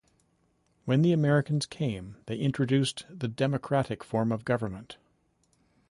When the Americans came they introduced the democratic form of government.